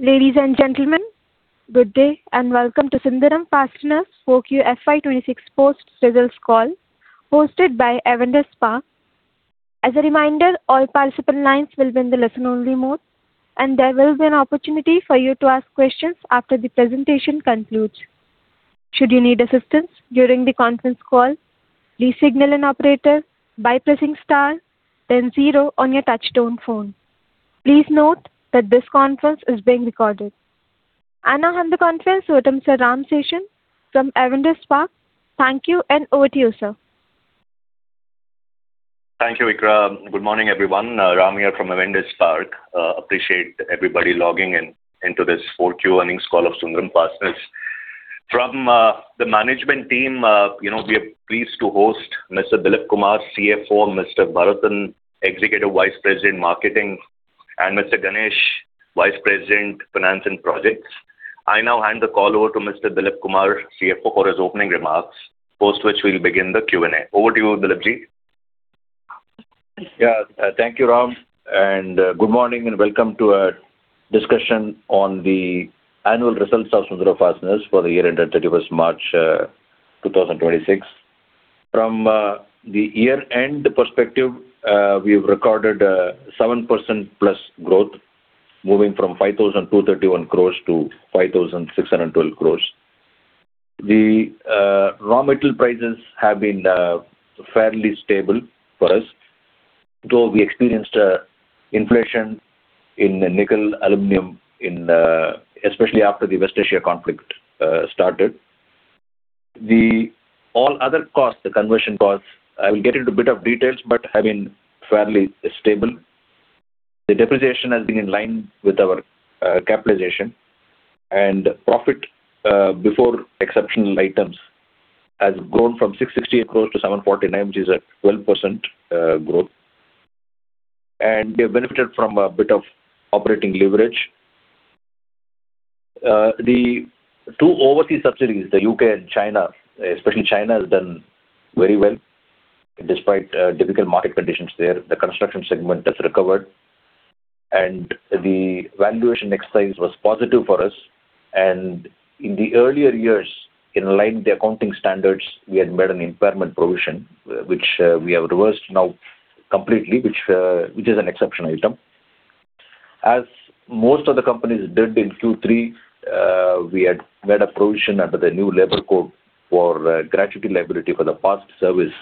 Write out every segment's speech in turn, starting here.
Ladies and gentlemen, good day, and welcome to Sundram Fasteners for QFY 2026 post results call hosted by Avendus Spark. As a reminder, all participant lines will be in the listen-only mode, and there will be an opportunity for you to ask questions after the presentation concludes. Should you need assistance during the conference call, please signal an operator by pressing star then 0 on your touchtone phone. Please note that this conference is being recorded. I now hand the conference over to Mr. Ram Seshan from Avendus Spark. Thank you, and over to you, sir. Thank you, Ikra. Good morning, everyone. Ram here from Avendus Spark. Appreciate everybody logging in into this 4Q earnings call of Sundram Fasteners. From the management team, you know, we are pleased to host Mr. Dilip Kumar, CFO, Mr. Bharathan, Executive Vice President, Marketing, and Mr. Ganesh, Vice President, Finance and Projects. I now hand the call over to Mr. Dilip Kumar, CFO, for his opening remarks, post which we'll begin the Q&A. Over to you, Dilip Ji. Thank you, Ram, and good morning and welcome to our discussion on the annual results of Sundram Fasteners for the year ended 31st March 2026. From the year-end perspective, we've recorded 7%+ growth, moving from 5,231 crores to 5,612 crores. The raw material prices have been fairly stable for us, though we experienced inflation in the nickel aluminum, especially after the West Asia conflict started. The all other costs, the conversion costs, I will get into a bit of details, but have been fairly stable. The depreciation has been in line with our capitalization. Profit before exceptional items has grown from 668 crores to 749 crores, which is a 12% growth. We have benefited from a bit of operating leverage. The two overseas subsidiaries, the U.K. and China, especially China, has done very well despite difficult market conditions there. The construction segment has recovered. The valuation exercise was positive for us. In the earlier years, in line with the accounting standards, we had made an impairment provision, which we have reversed now completely, which is an exceptional item. As most of the companies did in Q3, we had made a provision under the new labor code for gratuity liability for the past service,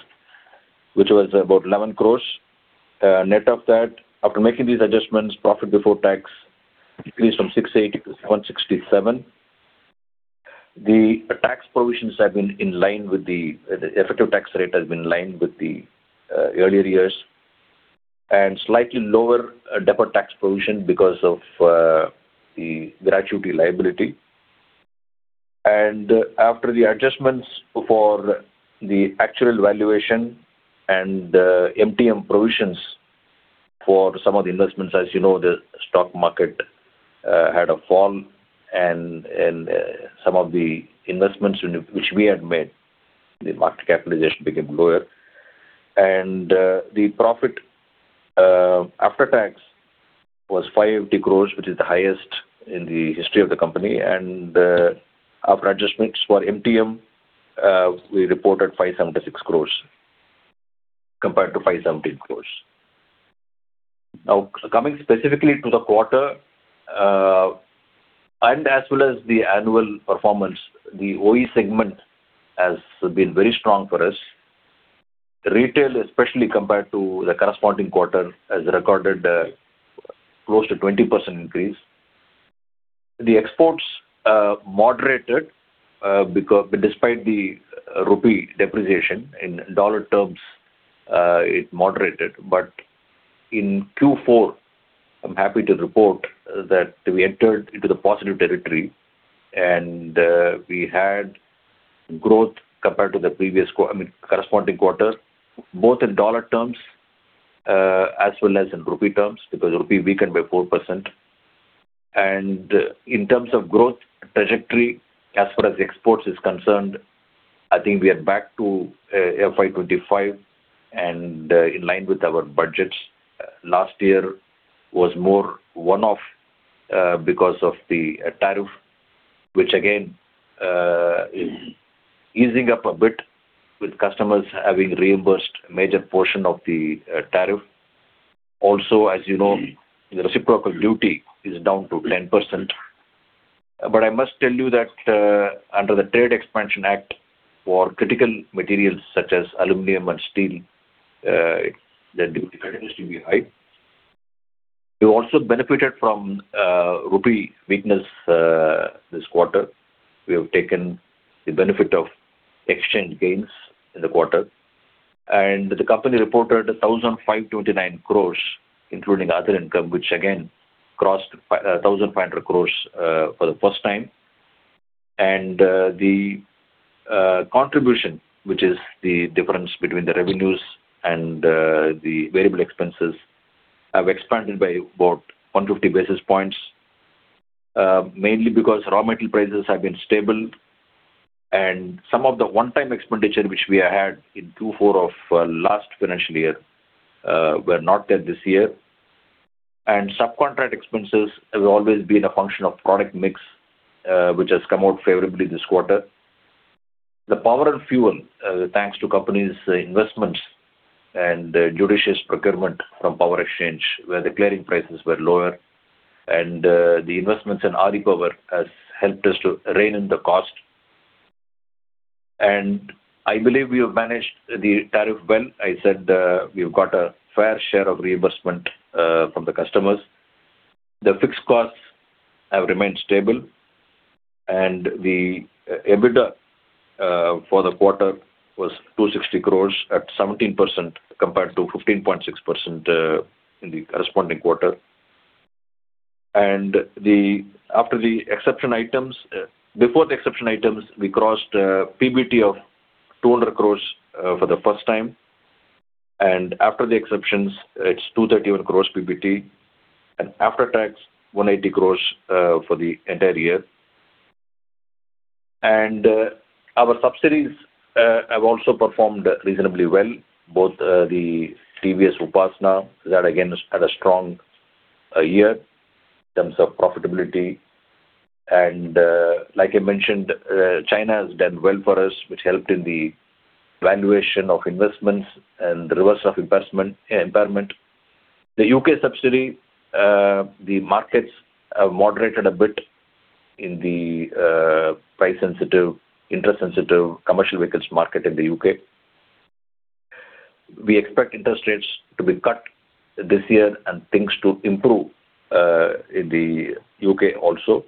which was about 11 crore. Net of that, after making these adjustments, PBT decreased from 68 to 767. The tax provisions have been in line with the... The effective tax rate has been in line with the earlier years and slightly lower deferred tax provision because of the gratuity liability. After the adjustments for the actual valuation and MTM provisions for some of the investments, as you know, the stock market had a fall, and some of the investments which we had made, the market capitalization became lower. The profit after tax was 580 crores, which is the highest in the history of the company. After adjustments for MTM, we reported 576 crores compared to 517 crores. Now, coming specifically to the quarter and as well as the annual performance, the OE segment has been very strong for us. Retail, especially compared to the corresponding quarter, has recorded close to 20% increase. The exports moderated despite the rupee depreciation. In dollar terms, it moderated. In Q4, I am happy to report that we entered into the positive territory and we had growth compared to the previous corresponding quarter, both in dollar terms, as well as in rupee terms, because rupee weakened by 4%. In terms of growth trajectory, as far as exports is concerned, I think we are back to FY 2025 and in line with our budgets. Last year was more one-off because of the tariff which again is easing up a bit with customers having reimbursed a major portion of the tariff. As you know, the reciprocal duty is down to 10%. I must tell you that, under the Trade Expansion Act for critical materials such as aluminum and steel, the duty continues to be high. We also benefited from rupee weakness this quarter. We have taken the benefit of exchange gains in the quarter. The company reported 1,529 crores, including other income, which again crossed 1,500 crores for the first time. The contribution, which is the difference between the revenues and the variable expenses, have expanded by about 150 basis points, mainly because raw material prices have been stable. And some of the one-time expenditure which we had in 2024 of last financial year, were not there this year. Subcontract expenses have always been a function of product mix, which has come out favorably this quarter. The power and fuel, thanks to company's investments and judicious procurement from power exchange, where the clearing prices were lower. The investments in Ari power has helped us to rein in the cost. I believe we have managed the tariff well. I said, we've got a fair share of reimbursement from the customers. The fixed costs have remained stable, and the EBITDA for the quarter was 260 crores at 17% compared to 15.6% in the corresponding quarter. Before the exception items, we crossed PBT of 200 crores for the first time. After the exceptions, it's 231 crores PBT and after-tax 180 crores for the entire year. Our subsidies have also performed reasonably well. Both, the TVS Upasana that again has had a strong year in terms of profitability. Like I mentioned, China has done well for us, which helped in the valuation of investments and the reverse of investment impairment. The U.K. subsidy, the markets have moderated a bit in the price-sensitive, interest-sensitive commercial vehicles market in the U.K. We expect interest rates to be cut this year and things to improve in the U.K. also.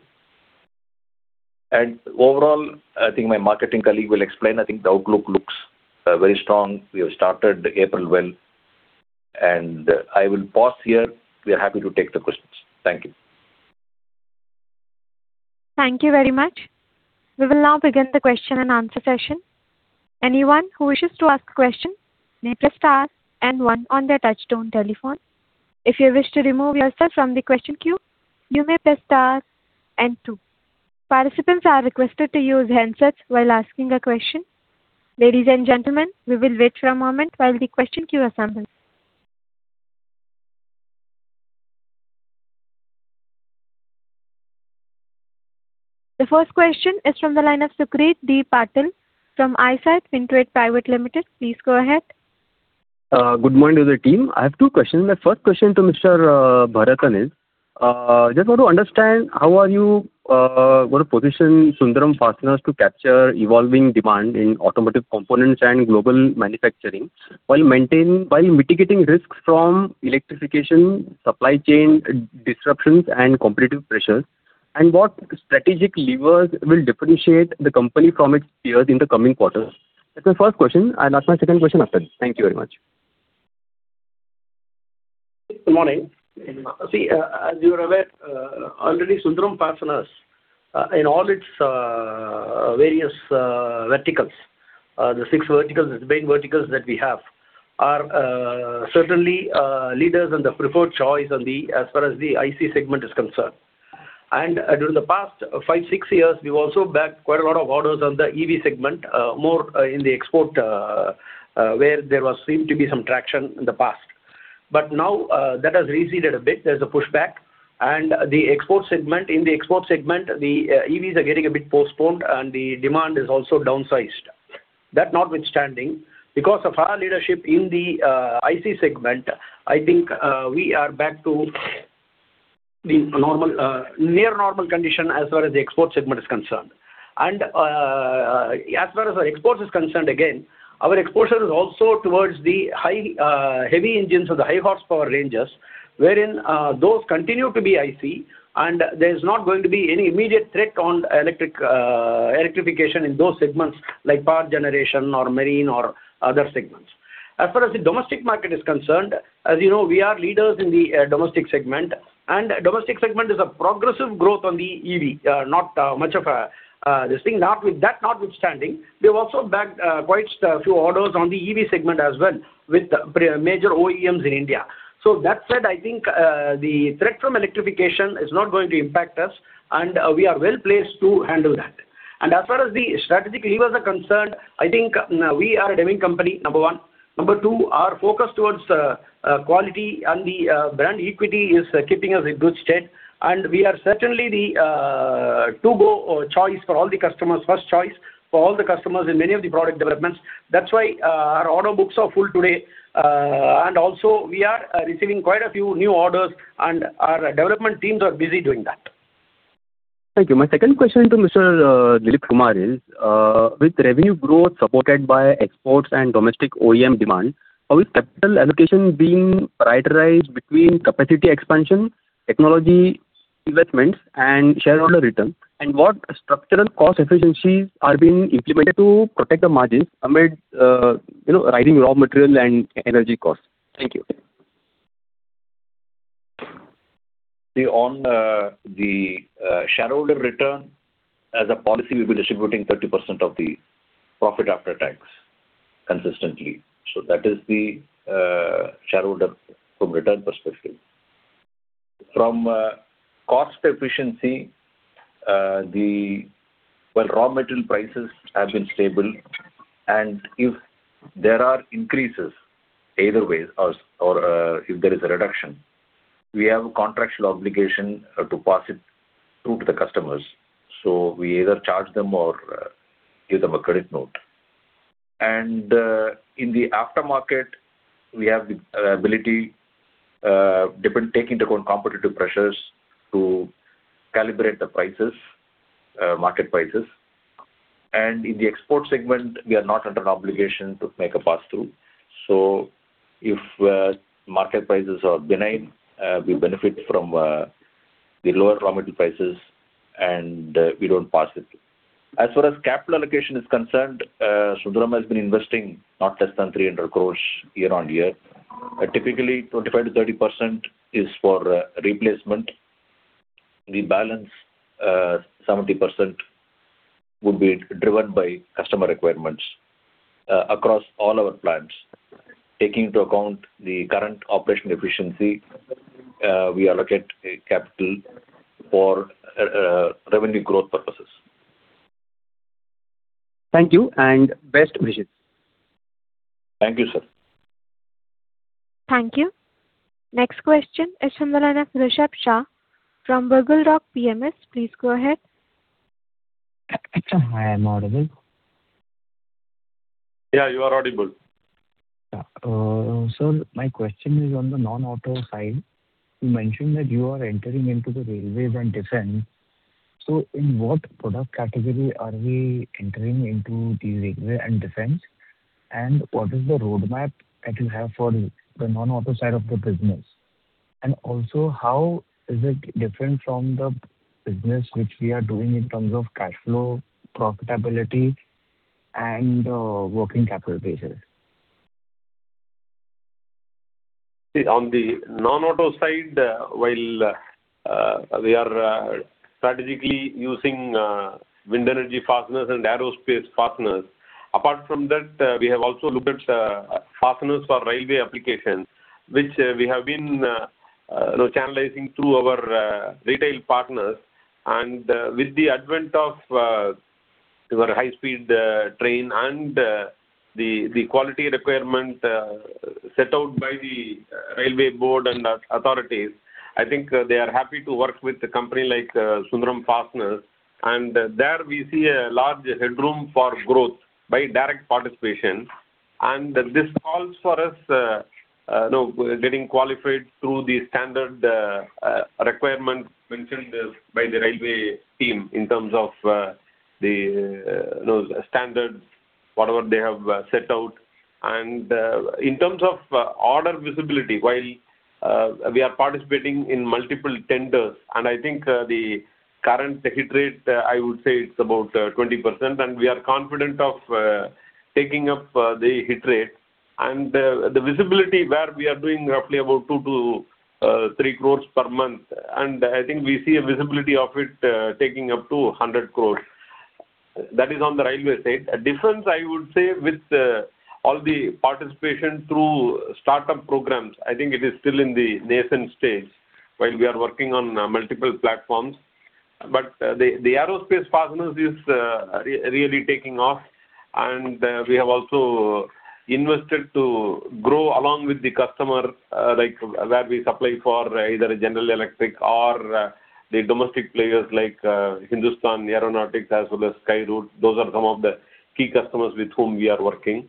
Overall, I think my marketing colleague will explain. I think the outlook looks very strong. We have started April well, and I will pause here. We are happy to take the questions. Thank you. Thank you very much. We will now begin the question and answer session. Anyone who wishes to ask a question may press star and one on their touchtone telephone. If you wish to remove yourself from the question queue, you may press star and two. Participants are requested to use handsets while asking a question. Ladies and gentlemen, we will wait for a moment while the question queue assembles. The first question is from the line of Sucrit Patil from Eyesight Fintrade Private Limited. Please go ahead. Good morning to the team. I have two questions. My first question to Mr. Bharathan is, just want to understand how are you gonna position Sundram Fasteners to capture evolving demand in automotive components and global manufacturing while mitigating risks from electrification, supply chain disruptions, and competitive pressures? What strategic levers will differentiate the company from its peers in the coming quarters? That's my first question. I'll ask my second question after that. Thank you very much. Good morning. As you are aware, already Sundram Fasteners, in all its various verticals, the six verticals is main verticals that we have, are certainly leaders and the preferred choice on the as far as the IC segment is concerned. During the past five, six years, we've also bagged quite a lot of orders on the EV segment, more in the export, where there was seemed to be some traction in the past. Now, that has receded a bit. There's a pushback. In the export segment, the EVs are getting a bit postponed, and the demand is also downsized. That notwithstanding, because of our leadership in the IC segment, I think, we are back to the normal, near normal condition as far as the export segment is concerned. As far as our export is concerned, again, our exposure is also towards the high, heavy engines of the high horsepower ranges, wherein, those continue to be IC, and there's not going to be any immediate threat on electric, electrification in those segments like power generation or marine or other segments. As far as the domestic market is concerned, as you know, we are leaders in the domestic segment, and domestic segment is a progressive growth on the EV, not much of a, this thing. That notwithstanding, we have also bagged quite a few orders on the EV segment as well with major OEMs in India. That said, I think, the threat from electrification is not going to impact us, and we are well-placed to handle that. As far as the strategic levers are concerned, I think, we are a driving company, number one. Number two, our focus towards quality and the brand equity is keeping us in good stead. We are certainly the go-to choice for all the customers, first choice for all the customers in many of the product developments. That's why, our order books are full today. Also we are receiving quite a few new orders, and our development teams are busy doing that. Thank you. My second question to Mr. Dilip Kumar is, with revenue growth supported by exports and domestic OEM demand, how is capital allocation being prioritized between capacity expansion, technology investments, and shareholder return? What structural cost efficiencies are being implemented to protect the margins amid, you know, rising raw material and energy costs? Thank you. See, on, the, shareholder return, as a policy, we'll be distributing 30% of the profit after tax consistently. That is the, shareholder from return perspective. From cost efficiency, raw material prices have been stable. If there are increases either way or if there is a reduction, we have a contractual obligation to pass it through to the customers. We either charge them or give them a credit note. In the aftermarket, we have the ability, taking into account competitive pressures to calibrate the prices, market prices. In the export segment, we are not under an obligation to make a pass-through. If market prices are benign, we benefit from the lower raw material prices, and we don't pass it. As far as capital allocation is concerned, Sundaram has been investing not less than 300 crores year-on-year. Typically 25%-30% is for replacement. The balance, 70% will be driven by customer requirements, across all our plants. Taking into account the current operational efficiency, we allocate a capital for revenue growth purposes. Thank you and best wishes. Thank you, sir. Thank you. Next question is from the line of Rushabh Shah from Buglerock PMS. Please go ahead. Hi, am I audible? Yeah, you are audible. Yeah. sir, my question is on the non-auto side. You mentioned that you are entering into the railways and defense. In what product category are we entering into the railway and defense? What is the roadmap that you have for the non-auto side of the business? Also, how is it different from the business which we are doing in terms of cash flow, profitability and working capital basis? See, on the non-auto side, while we are strategically using wind energy fasteners and aerospace fasteners. Apart from that, we have also looked at fasteners for railway applications, which we have been, you know, channelizing through our retail partners. With the advent of our high-speed train and the quality requirement set out by the Railway Board and the authorities, I think, they are happy to work with a company like Sundram Fasteners. There we see a large headroom for growth by direct participation. This calls for us, you know, getting qualified through the standard requirements mentioned by the railway team in terms of the, you know, standards, whatever they have set out. In terms of order visibility, while we are participating in multiple tenders, I think the current hit rate, I would say it's about 20%, and we are confident of taking up the hit rate. The visibility where we are doing roughly about 2 crores- 3 crores per month. I think we see a visibility of it taking up to 100 crores. That is on the railway side. Defense, I would say, with all the participation through startup programs, I think it is still in the nascent stage while we are working on multiple platforms. The aerospace fasteners is really taking off. We have also invested to grow along with the customer, like where we supply for either General Electric or the domestic players like Hindustan Aeronautics as well as Skyroot. Those are some of the key customers with whom we are working.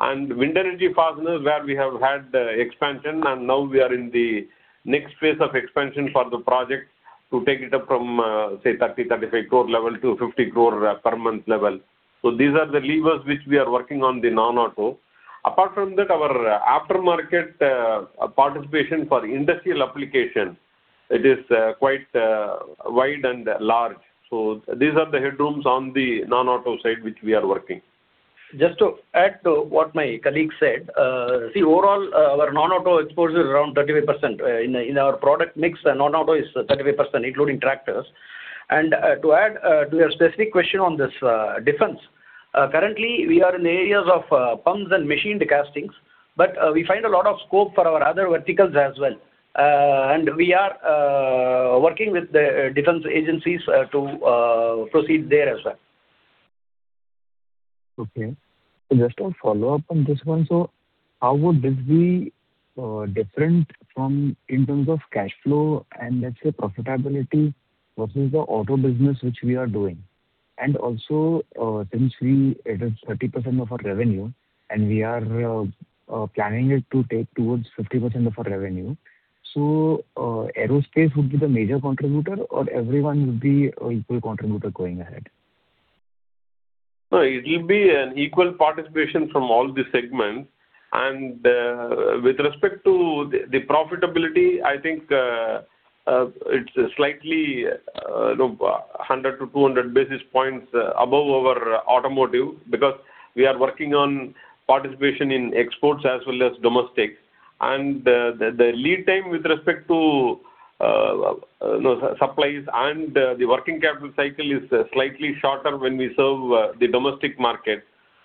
Wind energy fasteners, where we have had expansion, and now we are in the next phase of expansion for the project to take it up from, say 30 crore, 35 crore level to 50 crore per month level. These are the levers which we are working on the non-auto. Apart from that, our aftermarket participation for industrial application, it is quite wide and large. These are the headrooms on the non-auto side which we are working. Just to add to what my colleague said. Overall, our non-auto exposure is around 35%. In our product mix, non-auto is 35%, including tractors. To add to your specific question on this defense. Currently, we are in areas of pumps and machined castings, but we find a lot of scope for our other verticals as well. We are working with the defense agencies to proceed there as well. Okay. Just a follow-up on this one. How would this be different from in terms of cash flow and let's say profitability versus the auto business which we are doing? Also, since it is 30% of our revenue, and we are planning it to take towards 50% of our revenue, aerospace would be the major contributor, or everyone would be an equal contributor going ahead? No, it will be an equal participation from all the segments. With respect to the profitability, I think, it's slightly, you know, 100 to 200 basis points above our automotive because we are working on participation in exports as well as domestic. The lead time with respect to, you know, supplies and the working capital cycle is slightly shorter when we serve the domestic market.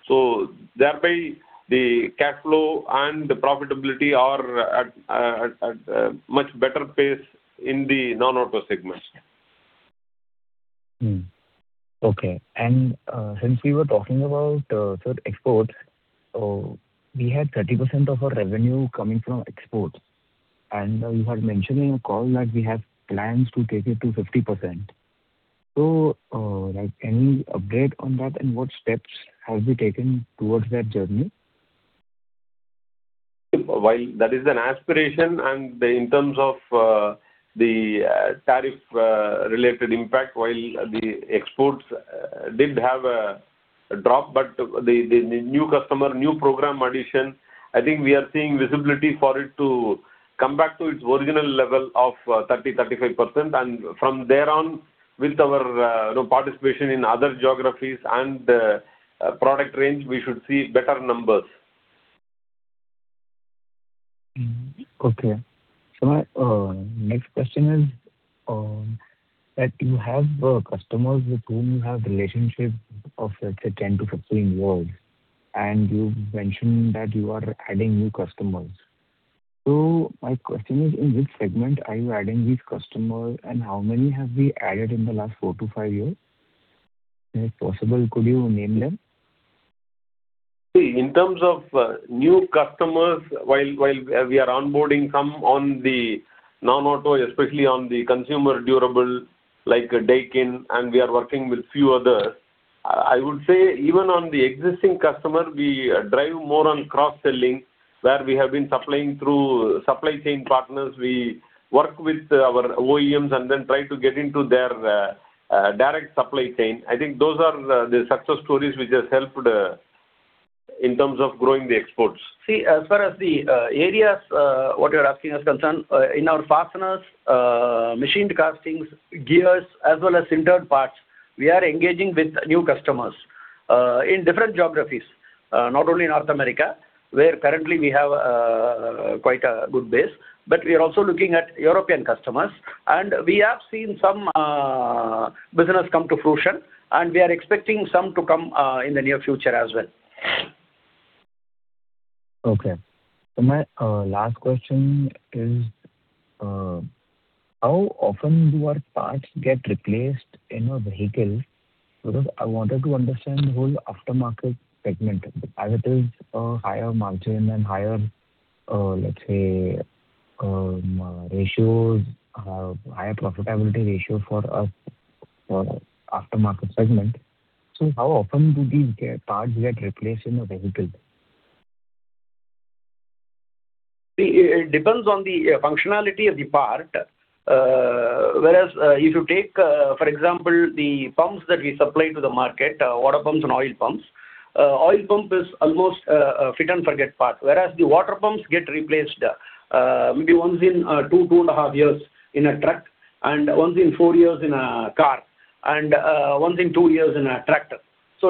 Thereby the cash flow and the profitability are at a much better pace in the non-auto segments. Okay. Since we were talking about, sir, exports, we had 30% of our revenue coming from exports, and you had mentioned in your call that we have plans to take it to 50%. Like, any update on that, and what steps have we taken towards that journey? While that is an aspiration and in terms of the tariff related impact, while the exports did have a drop, but the new customer, new program addition, I think we are seeing visibility for it to come back to its original level of 30%-35%. From there on, with our, you know, participation in other geographies and product range, we should see better numbers. Okay. My next question is that you have customers with whom you have relationship of, let's say, 10-15 years, and you mentioned that you are adding new customers. My question is, in which segment are you adding these customers, and how many have we added in the last 4-5 years? If possible, could you name them? See, in terms of new customers, while we are onboarding some on the non-auto, especially on the consumer durable like Daikin, and we are working with few others. I would say even on the existing customer, we drive more on cross-selling, where we have been supplying through supply chain partners. We work with our OEMs and then try to get into their direct supply chain. I think those are the success stories which has helped in terms of growing the exports. See, as far as the areas, what you're asking is concerned, in our fasteners, machined castings, gears, as well as sintered parts, we are engaging with new customers, in different geographies, not only in North America, where currently we have quite a good base, but we are also looking at European customers. We have seen some business come to fruition, and we are expecting some to come in the near future as well. Okay. My last question is, how often do our parts get replaced in a vehicle? Because I wanted to understand the whole aftermarket segment as it is a higher margin and higher, let's say, ratios, higher profitability ratio for aftermarket segment. How often do these parts get replaced in a vehicle? See, it depends on the functionality of the part. Whereas, if you take, for example, the pumps that we supply to the market, water pumps and oil pumps, oil pump is almost a fit and forget part, whereas the water pumps get replaced, maybe once in two, two and a half years in a truck, and once in four years in a car, and once in two years in a tractor.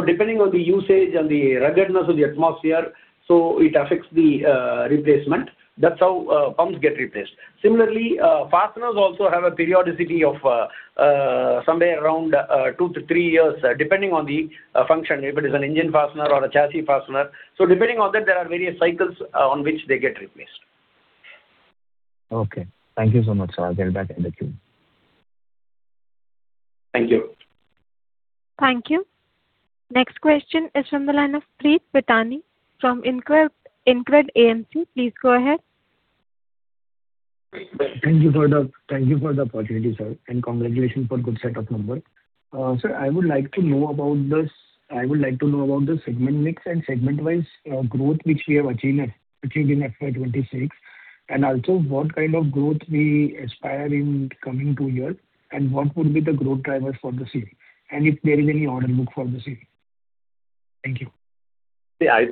Depending on the usage and the ruggedness of the atmosphere, it affects the replacement. That's how pumps get replaced. Similarly, fasteners also have a periodicity of, somewhere around, 2-3 years, depending on the function, if it is an engine fastener or a chassis fastener. Depending on that, there are various cycles, on which they get replaced. Okay. Thank you so much, sir. I'll get back in the queue. Thank you. Thank you. Next question is from the line of Preet Pitani from InCred AMC. Please go ahead. Thank you for the opportunity, sir, and congratulations for good set of numbers. Sir, I would like to know about the segment mix and segment-wise growth which we have achieved in FY 2026. Also what kind of growth we aspire in coming two years, what would be the growth drivers for the same, and if there is any order book for the same. Thank you. I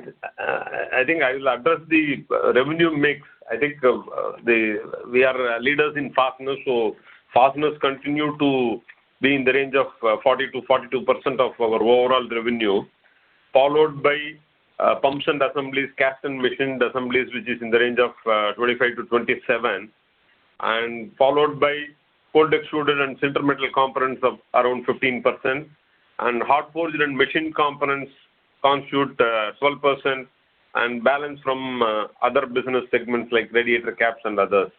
think I will address the revenue mix. I think we are leaders in fasteners. Fasteners continue to be in the range of 40%-42% of our overall revenue, followed by pumps and assemblies, cast and machined assemblies, which is in the range of 25%-27%. Followed by cold extruded and sintered metal components of around 15%, and hot forged and machined components constitute 12%, and balance from other business segments like radiator caps and others.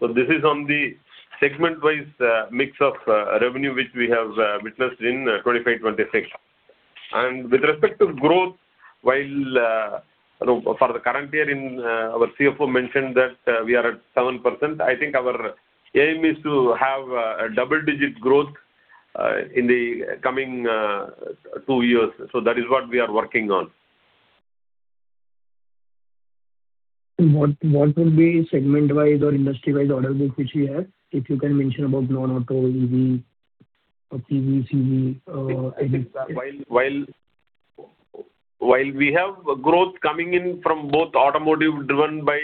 This is on the segment-wise mix of revenue which we have witnessed in 2025, 2026. With respect to growth, while, you know, for the current year, our CFO mentioned that we are at 7%. I think our aim is to have a double-digit growth, in the coming, two years. That is what we are working on. What would be segment-wise or industry-wise order book which we have? If you can mention about non-auto, EV or CV? I think, while we have growth coming in from both automotive driven by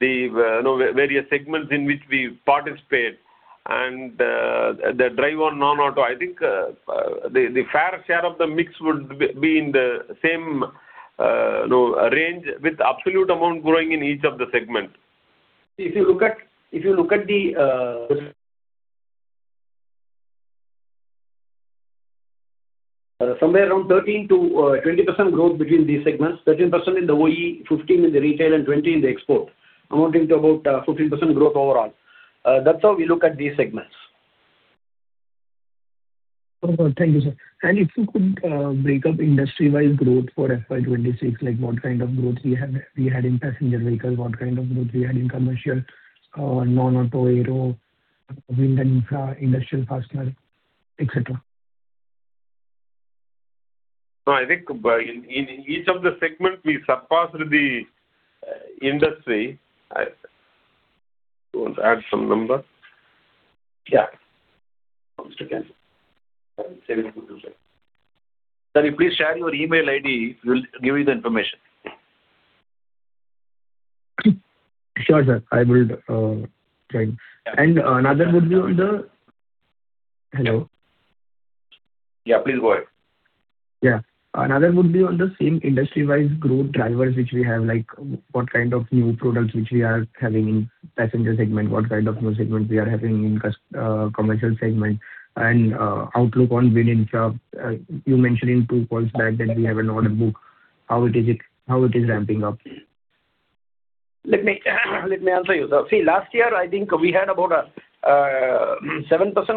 the, you know, various segments in which we participate and, the drive on non-auto, I think, the fair share of the mix would be in the same, you know, range with absolute amount growing in each of the segment. If you look at the somewhere around 13%-20% growth between these segments. 13% in the OE, 15% in the retail and 20% in the export, amounting to about 15% growth overall. That's how we look at these segments. Oh, thank you, sir. If you could break up industry-wide growth for FY 2026, like what kind of growth we had in passenger vehicles, what kind of growth we had in commercial or non-auto, aero, wind and infra, industrial, personal, et cetera? No, I think in each of the segment we surpassed the industry. Do you want to add some number? Yeah. One second. Let me check it. Sir, if you share your email ID, we will give you the information. Sure, sir. I will try. Hello? Yeah, please go ahead. Yeah. Another would be on the same industry-wide growth drivers which we have, like what kind of new products which we are having in passenger segment, what kind of new segments we are having in commercial segment and outlook on wind infra. You mentioned in two quarters back that we have an order book. How it is ramping up? Let me answer you. See, last year I think we had about 7%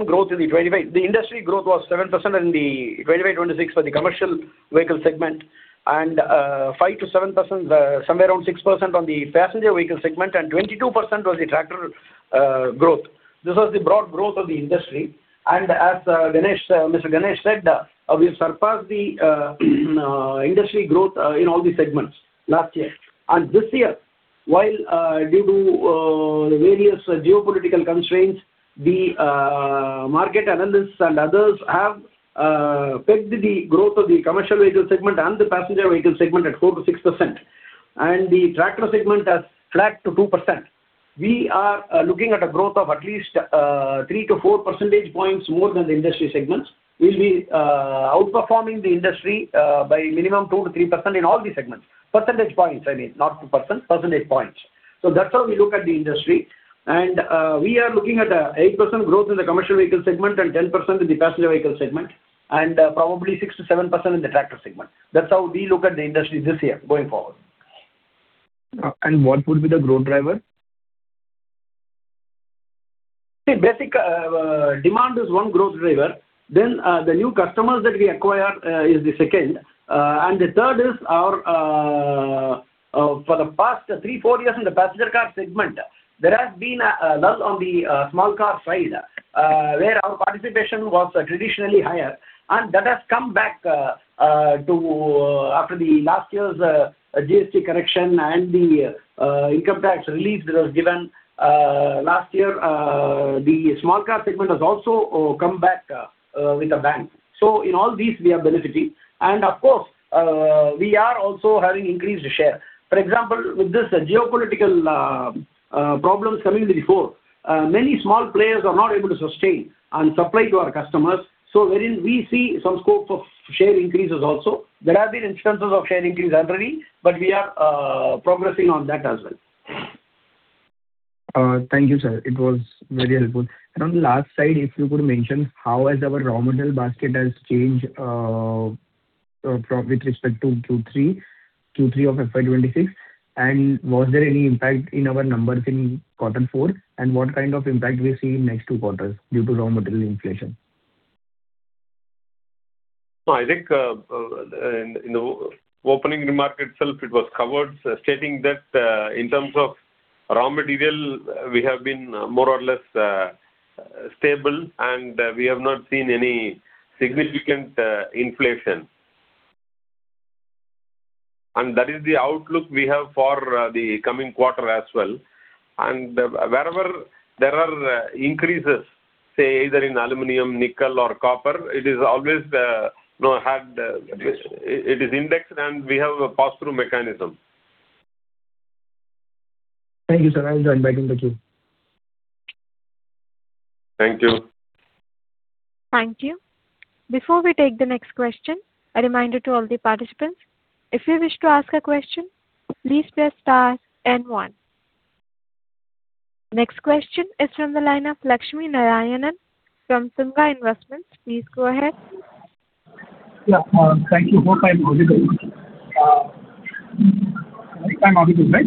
growth in the 2025. The industry growth was 7% in 2025-2026 for the commercial vehicle segment and 5%-7%, somewhere around 6% on the passenger vehicle segment, and 22% was the tractor growth. This was the broad growth of the industry. As Mr. Ganesh said, we've surpassed the industry growth in all the segments last year. This year, while due to various geopolitical constraints, the market analysts and others have pegged the growth of the commercial vehicle segment and the passenger vehicle segment at 4%-6%. The tractor segment has tracked to 2%. We are looking at a growth of at least 3 to 4 percentage points more than the industry segments. We'll be outperforming the industry by minimum 2%-3% in all the segments. Percentage points, I mean, not 2%, percentage points. That's how we look at the industry. We are looking at 8% growth in the commercial vehicle segment and 10% in the passenger vehicle segment, and probably 6%-7% in the tractor segment. That's how we look at the industry this year going forward. What would be the growth driver? See, basic demand is one growth driver. The new customers that we acquire is the second. The third is our. For the past three, four years in the passenger car segment, there has been a lull on the small car side, where our participation was traditionally higher. That has come back to after the last year's GST correction and the income tax relief that was given last year, the small car segment has also come back with a bang. In all these we are benefiting. Of course, we are also having increased share. For example, with this geopolitical problems coming to the fore, many small players are not able to sustain and supply to our customers, so wherein we see some scope of share increases also. There have been instances of share increase already, but we are progressing on that as well. Thank you, sir. It was very helpful. On the last slide, if you could mention how has our raw material basket has changed with respect to Q3 of FY 2026. Was there any impact in our numbers in quarter four? What kind of impact we see in next two quarters due to raw material inflation? No, I think, in the opening remark itself it was covered, stating that, in terms of raw material we have been more or less, stable and we have not seen any significant, inflation. That is the outlook we have for, the coming quarter as well. Wherever there are increases, say either in aluminum, nickel or copper, it is always, you know. Yes. It is indexed and we have a pass-through mechanism. Thank you, sir. I'll join back in the queue. Thank you. Thank you. Before we take the next question, a reminder to all the participants. If you wish to ask a question, please press star then one. Next question is from the line of Lakshminarayanan from Sundaram Investments. Please go ahead. Yeah. Thank you. Hope I'm audible. I'm audible, right?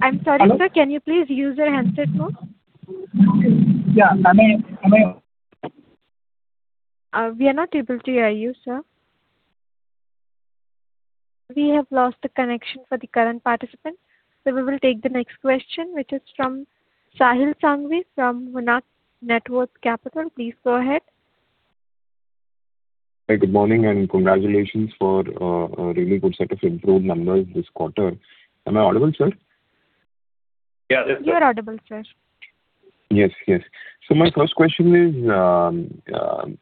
I'm sorry, sir. Can you please use your handset phone? Yeah. Am I? We are not able to hear you, sir. We have lost the connection for the current participant. We will take the next question, which is from Sahil Sanghvi from Monarch Networth Capital. Please go ahead. Hi. Good morning. Congratulations for a really good set of improved numbers this quarter. Am I audible, sir? Yeah. You're audible, sir. Yes. Yes. My first question is,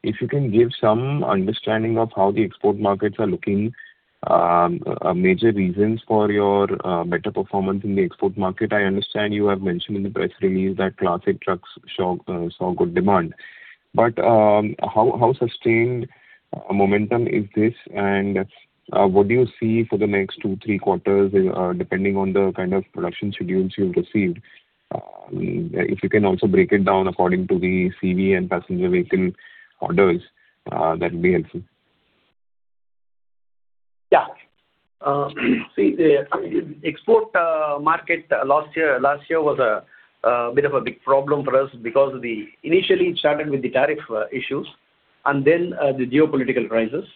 if you can give some understanding of how the export markets are looking, major reasons for your better performance in the export market. I understand you have mentioned in the press release that Class 8 trucks saw good demand. How sustained momentum is this? What do you see for the next two, three quarters, depending on the kind of production schedules you've received? If you can also break it down according to the CV and passenger vehicle orders, that'd be helpful. See the, I mean, export market last year was a bit of a big problem for us. Initially it started with the tariff issues and then the geopolitical crisis.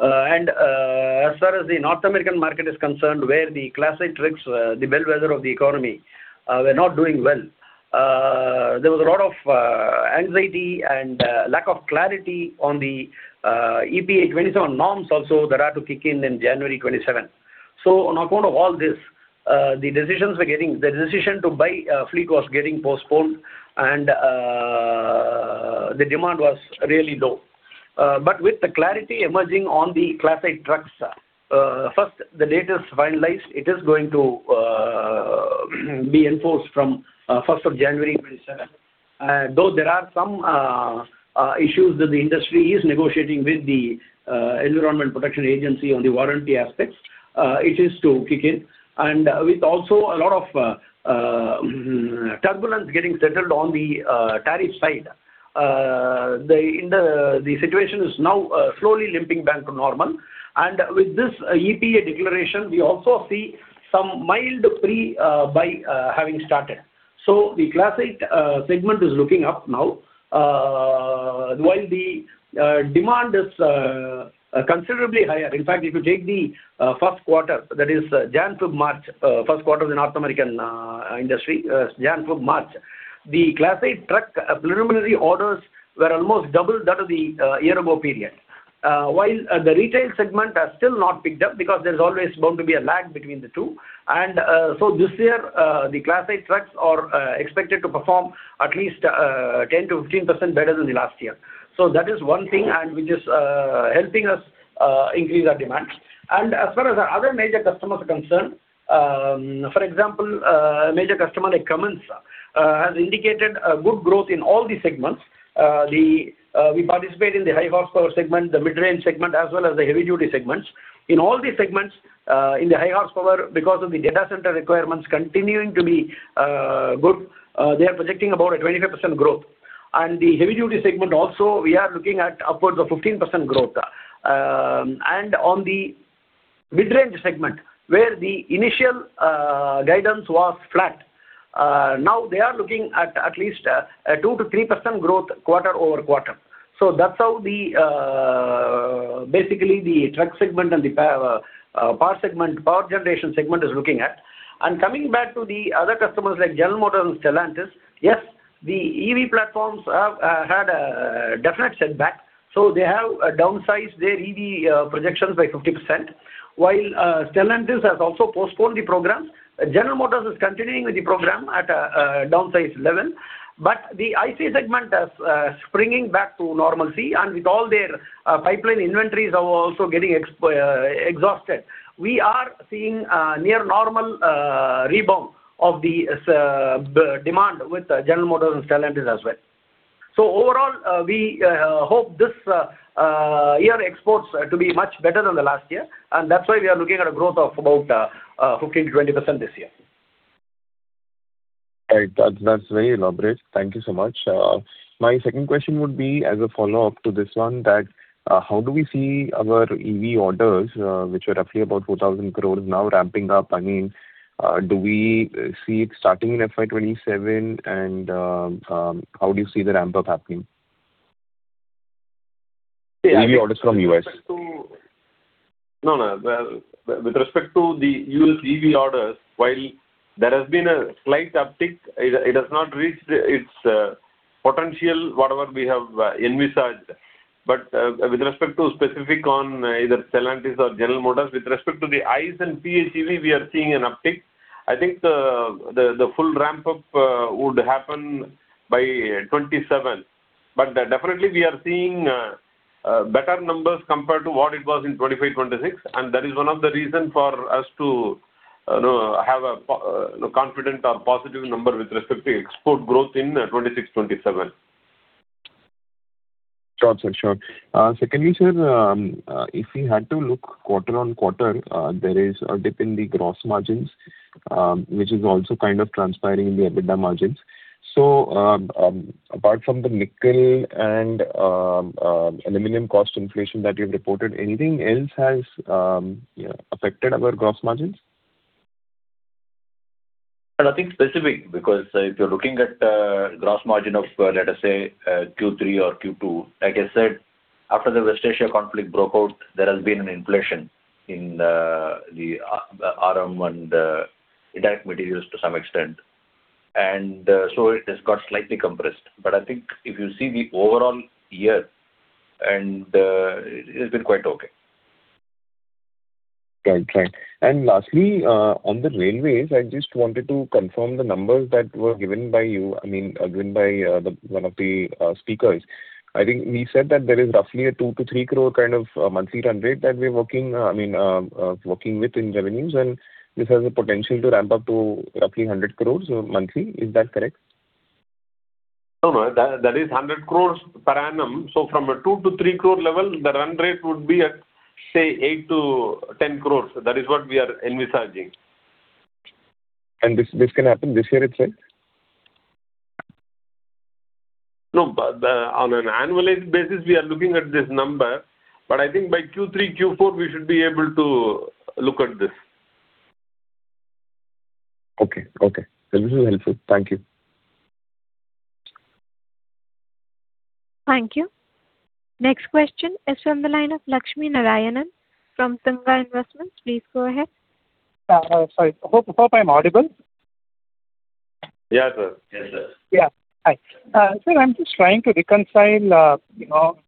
As far as the North American market is concerned, where the Class 8 trucks, the bellwether of the economy, were not doing well. There was a lot of anxiety and lack of clarity on the EPA 2027 norms also that are to kick in in January 2027. On account of all this, the decision to buy a fleet was getting postponed and the demand was really low. With the clarity emerging on the Class 8 trucks, first the date is finalized. It is going to be enforced from 1st of January 2027. Though there are some issues that the industry is negotiating with the Environmental Protection Agency on the warranty aspects, it is to kick in. With also a lot of turbulence getting settled on the tariff side, the situation is now slowly limping back to normal. With this EPA declaration, we also see some mild pre-buy having started. The Class 8 segment is looking up now, while the demand is considerably higher. In fact, if you take the 1st quarter, that is Jan through March, 1st quarter of the North American industry, Jan through March, the Class 8 truck preliminary orders were almost double that of the year-ago period. While the retail segment has still not picked up because there's always going to be a lag between the two. This year, the Class 8 trucks are expected to perform at least 10%-15% better than the last year. That is one thing and which is helping us increase our demand. As far as our other major customers are concerned, for example, a major customer like Cummins has indicated a good growth in all the segments. We participate in the high horsepower segment, the mid-range segment, as well as the heavy duty segments. In all the segments, in the high horsepower because of the data center requirements continuing to be good, they are projecting about a 25% growth. The heavy duty segment also we are looking at upwards of 15% growth. On the mid-range segment, where the initial guidance was flat, now they are looking at at least 2%-3% growth quarter-over-quarter. That's how basically the truck segment and the power segment, power generation segment is looking at. Coming back to the other customers like General Motors and Stellantis, yes, the EV platforms have had a definite setback, so they have downsized their EV projections by 50%. While Stellantis has also postponed the program, General Motors is continuing with the program at a downsized level. The ICE segment is springing back to normalcy, and with all their pipeline inventories are also getting exhausted. We are seeing a near normal rebound of the demand with General Motors and Stellantis as well. Overall, we hope this year exports to be much better than the last year, and that's why we are looking at a growth of about 15%-20% this year. Right. That's very elaborate. Thank you so much. My second question would be as a follow-up to this one, that, how do we see our EV orders, which are roughly about 4,000 crores now ramping up? I mean, do we see it starting in FY 2027? How do you see the ramp-up happening? EV orders from U.S. No, no. Well, with respect to the U.S. EV orders, while there has been a slight uptick, it has not reached its potential, whatever we have envisaged. With respect to specific on either Stellantis or General Motors, with respect to the ICE and PHEV, we are seeing an uptick. I think the full ramp-up would happen by 2027. Definitely we are seeing better numbers compared to what it was in 2025, 2026, and that is one of the reason for us to, you know, have a confident or positive number with respect to export growth in 2026, 2027. Sure, sir. Sure. Secondly, sir, if we had to look quarter-on-quarter, there is a dip in the gross margins, which is also kind of transpiring in the EBITDA margins. Apart from the nickel and aluminum cost inflation that you've reported, anything else has, you know, affected our gross margins? Nothing specific, because if you're looking at, gross margin of, let us say, Q3 or Q2, like I said, after the West Asia conflict broke out, there has been an inflation in, the, RM and, indirect materials to some extent. So it has got slightly compressed. I think if you see the overall year and, it has been quite okay. Right. Right. Lastly, on the railways, I just wanted to confirm the numbers that were given by you. I mean, given by one of the speakers. I think he said that there is roughly a 2 crore-3 crore kind of monthly run rate that we're working, I mean, working with in revenues, and this has a potential to ramp up to roughly 100 crore monthly. Is that correct? No, no. That, that is 100 crores per annum. From an 2 crore-3 crore level, the run rate would be at, say, 8 crores-10 crores. That is what we are envisaging. This can happen this year itself? On an annualized basis, we are looking at this number, but I think by Q3, Q4, we should be able to look at this. Okay. Okay. This is helpful. Thank you. Thank you. Next question is from the line of Lakshminarayanan from Sundaram Investments. Please go ahead. Sorry. Hope I'm audible. Yeah, sure. Yes, sir. Hi. Sir, I am just trying to reconcile, you know,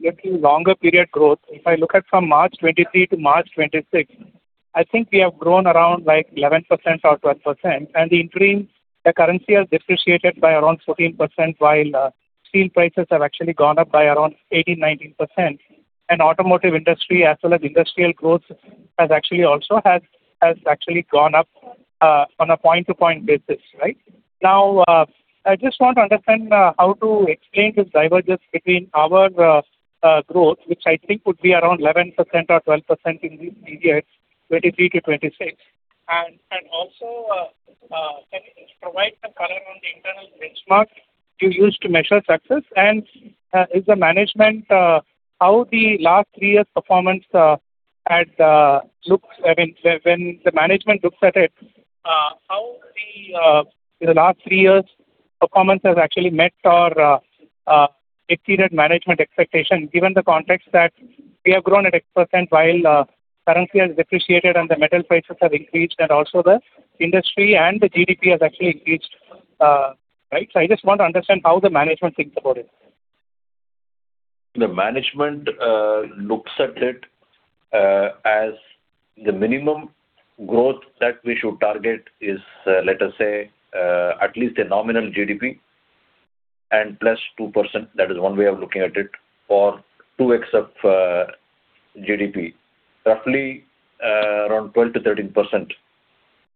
looking longer period growth. If I look at from March 2023 to March 2026, I think we have grown around like 11% or 12%, and in between, the currency has depreciated by around 14%, while steel prices have actually gone up by around 18%, 19%. Automotive industry as well as industrial growth has actually gone up on a point-to-point basis, right? Now, I just want to understand how to explain this divergence between our growth, which I think would be around 11% or 12% in the year 2023 to 2026. Also, can you provide some color on the internal benchmark you use to measure success? Is the management, how the last three years' performance looks? I mean, when the management looks at it, how the last three years' performance has actually met or exceeded management expectation, given the context that we have grown at X% while currency has depreciated and the metal prices have increased and also the industry and the GDP has actually increased. Right? I just want to understand how the management thinks about it. The management looks at it as the minimum growth that we should target is, let us say, at least a nominal GDP and +2%. That is one way of looking at it, or 2x of GDP. Roughly, around 12%-13%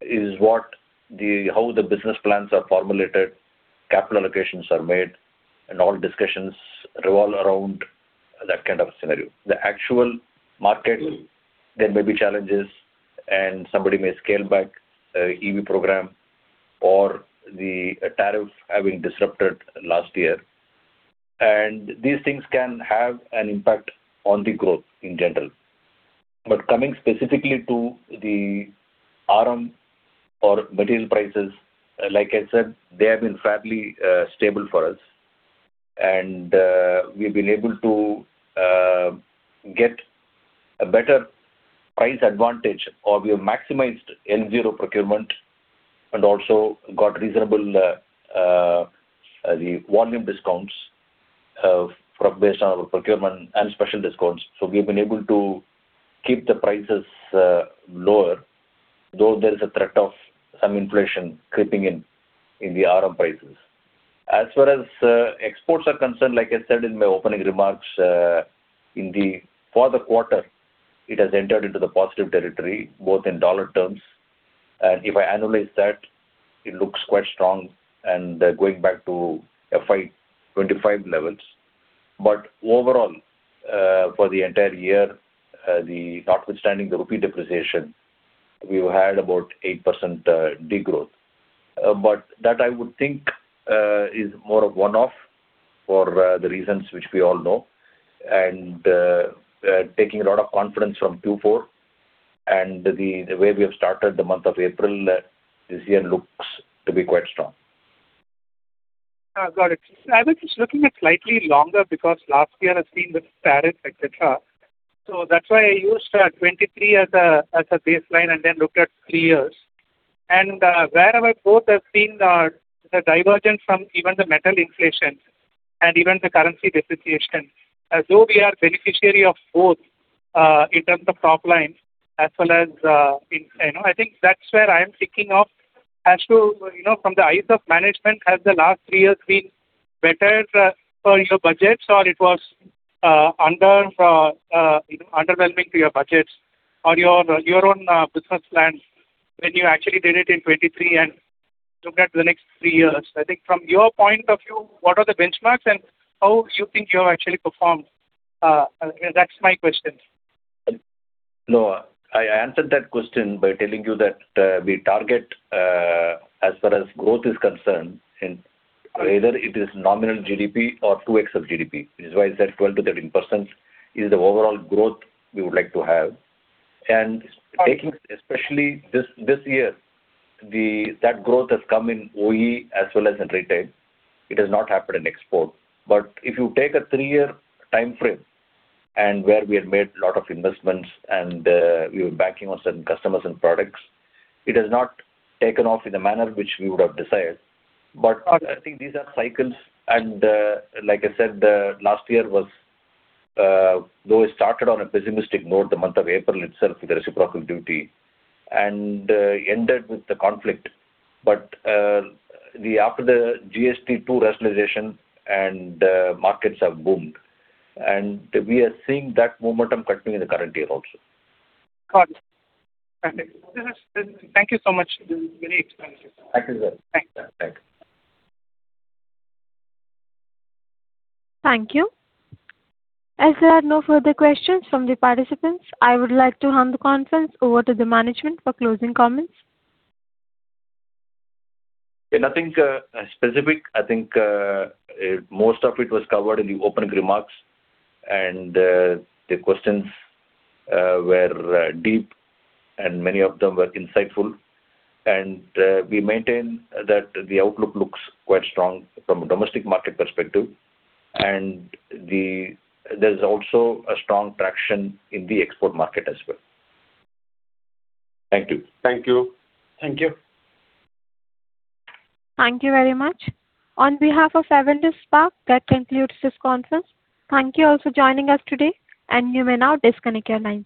is what the, how the business plans are formulated, capital allocations are made, and all discussions revolve around that kind of a scenario. The actual market, there may be challenges, and somebody may scale back EV program or the tariff having disrupted last year. These things can have an impact on the growth in general. Coming specifically to the RM or material prices, like I said, they have been fairly stable for us. We've been able to get a better price advantage, or we have maximized L0 procurement and also got reasonable the volume discounts from based on our procurement and special discounts. We've been able to keep the prices lower, though there is a threat of some inflation creeping in in the RM prices. As far as exports are concerned, like I said in my opening remarks, for the quarter, it has entered into the positive territory, both in USD terms, and if I annualize that, it looks quite strong and going back to FY 2025 levels. Overall, for the entire year, notwithstanding the rupee depreciation, we've had about 8% degrowth. That I would think is more of one-off for the reasons which we all know. Taking a lot of confidence from Q4 and the way we have started the month of April, this year looks to be quite strong. Got it. I was just looking at slightly longer because last year has been with tariffs, et cetera. That's why I used 2023 as a baseline and then looked at three years. Wherever growth has been, the divergence from even the metal inflation and even the currency depreciation, though we are beneficiary of both, in terms of top line as well as, you know, I think that's where I am thinking of as to, you know, from the eyes of management, has the last three years been better for your budgets or it was underwhelming to your budgets or your own business plans when you actually did it in 2023 and looked at the next three years? I think from your point of view, what are the benchmarks and how do you think you have actually performed? That's my question. No, I answered that question by telling you that we target as far as growth is concerned in either it is nominal GDP or 2x of GDP. This is why I said 12%-13% is the overall growth we would like to have. Taking especially this year, that growth has come in OE as well as in retail. It has not happened in export. If you take a three-year timeframe and where we had made a lot of investments, we were banking on certain customers and products, it has not taken off in the manner which we would have desired. I think these are cycles and like I said, last year was though it started on a pessimistic note the month of April itself with the reciprocal duty and ended with the conflict. The after the GST 2 rationalization and markets have boomed, and we are seeing that momentum continuing in the current year also. Got it. Thank you. Thank you so much. This is very explanatory. Thank you, sir. Thanks. Thanks. Thank you. As there are no further questions from the participants, I would like to hand the conference over to the management for closing comments. Yeah, nothing specific. I think most of it was covered in the opening remarks, and the questions were deep and many of them were insightful. We maintain that the outlook looks quite strong from a domestic market perspective. There's also a strong traction in the export market as well. Thank you. Thank you. Thank you. Thank you very much. On behalf of Avendus Spark, that concludes this conference. Thank you all for joining us today, and you may now disconnect your lines.